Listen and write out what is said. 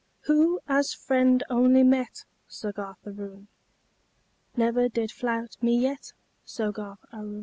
Who, as friend only met, Soggarth Aroon, Never did flout me yet, Soggarth Aroon?